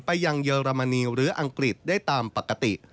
ยังเยอรมนีหรืออังกฤษได้ตามปกติ